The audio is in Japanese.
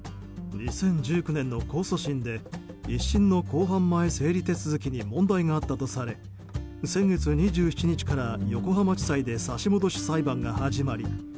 ２０１９年の控訴審で１審の公判前整理手続きに問題があったとされ先月２７日から横浜地裁で差し戻し裁判が始まり